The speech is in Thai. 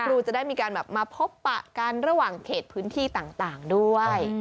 ครูจะได้มีการแบบมาพบปะกันระหว่างเขตพื้นที่ต่างด้วย